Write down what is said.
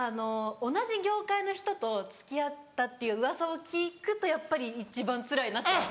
同じ業界の人と付き合ったっていううわさを聞くとやっぱり一番つらいなと。